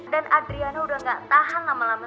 dan adriana udah gak tahan sama lo ma